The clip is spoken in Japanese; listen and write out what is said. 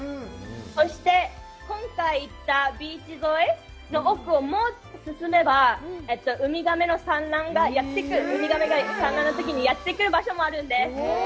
そして、今回行ったビーチ沿いの奥をもっと進めば、ウミガメが産卵のときにやってくる場所もあるんです。